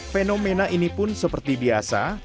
fenomena ini pun seperti biasa